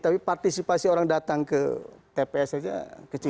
tapi partisipasi orang datang ke tps saja kecil